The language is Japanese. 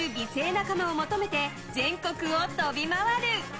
仲間を求めて全国を飛び回る。